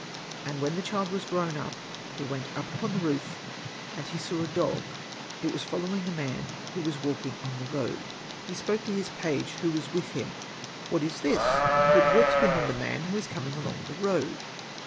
And when the child was grown, he went up upon the roof, and he saw a dog ; it was following a man who was walking on the road. He spoke to his Hosted by Google THE DOOMED PRINCE 15 page, who was with him, '' What is this that walks behind the man who is coming along the road